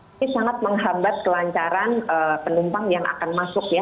ini sangat menghambat kelancaran penumpang yang akan masuk ya